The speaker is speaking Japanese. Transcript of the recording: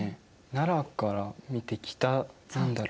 奈良から見て北何だろう。